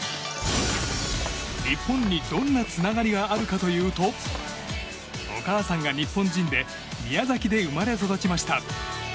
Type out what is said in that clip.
日本にどんなつながりがあるかというとお母さんが日本人で宮崎で生まれ育ちました。